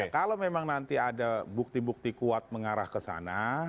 kalau memang nanti ada bukti bukti kuat mengarah ke sana